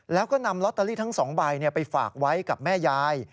แล้วก็นำลอตเตอรี่ทั้ง๒ใบไปฝากไว้กับแม่ยาย